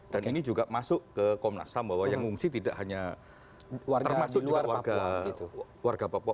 dan ini juga masuk ke komnas ham bahwa yang ngungsi tidak hanya termasuk juga warga papua